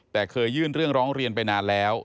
แต่เคยยื่นเรื่องร้องเรียนไปนานแล้ว